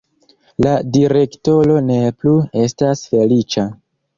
La direktoro ne plu estas feliĉa.